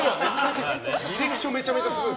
履歴書めちゃめちゃすごい。